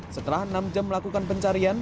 setelah enam jam melakukan pencarian